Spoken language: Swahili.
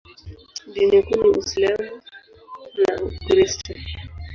Dini kuu ni Uislamu na Ukristo.